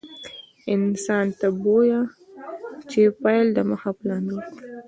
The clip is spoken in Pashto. انسان ته بويه چې د پيل دمخه پلان جوړ کړي.